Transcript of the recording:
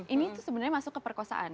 ini sebenarnya masuk ke perkosaan